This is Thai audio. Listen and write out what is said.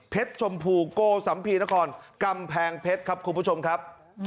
ชมพูโกสัมภีนครกำแพงเพชรครับคุณผู้ชมครับ